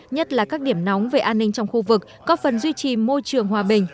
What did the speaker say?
nhất là các điểm nóng về an ninh trong khu vực có phần duy trì môi trường hòa bình